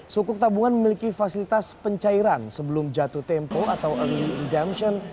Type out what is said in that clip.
sukuk tabungan memiliki fasilitas pencairan sebelum jatuh tempo atau early redemption